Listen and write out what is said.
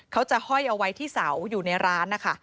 ห้อยเอาไว้ที่เสาอยู่ในร้านนะคะ